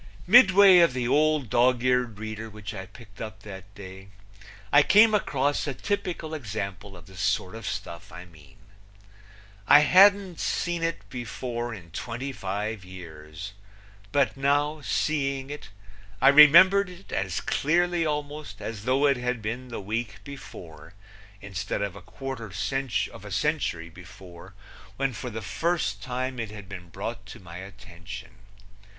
Midway of the old dog eared reader which I picked up that day I came across a typical example of the sort of stuff I mean. I hadn't seen it before in twenty five years; but now, seeing it, I remembered it as clearly almost as though it had been the week before instead of a quarter of a century before when for the first time it had been brought to my attention.